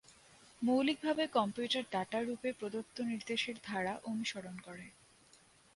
মৌলিকভাবে, computer data রুপে প্রদত্ত নির্দেশের ধারা অনুসরণ করে।